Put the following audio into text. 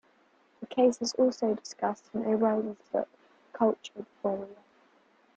The case is also discussed in O'Reilly's book Culture Warrior.